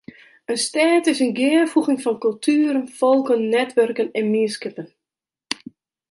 In stêd is in gearfoeging fan kultueren, folken, netwurken en mienskippen.